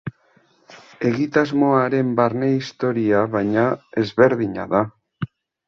Egitasmo haren barne historia, baina, ezberdina da.